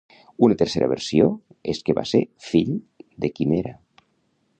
Una tercera versió és que va ser fill de Quimera.